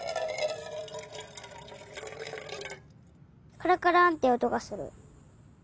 カラカランっておとがする。